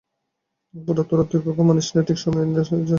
পুরো, তোরা তো দিনক্ষণ মানিস নে, ঠিক সময়ে ইস্টেশনে যাস।